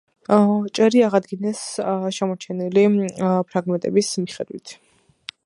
ჭერი აღადგინეს შემორჩენილი ფრაგმენტების მიხედვით.